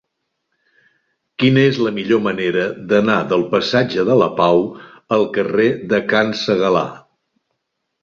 Quina és la millor manera d'anar del passatge de la Pau al carrer de Can Segalar?